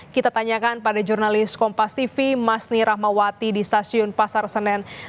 kita tanyakan pada jurnalis kompas tv masni rahmawati di stasiun pasar senen